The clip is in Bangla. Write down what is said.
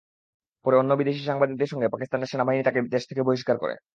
পরে অন্য বিদেশি সাংবাদিকদের সঙ্গে পাকিস্তানের সেনাবাহিনী তাঁকে দেশ থেকে বহিষ্কার করে।